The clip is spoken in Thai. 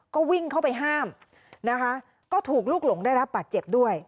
ก็วิ่งเข้าไปห้ามนะคะก็ถูกลูกหลงได้รับบาดเจ็บด้วย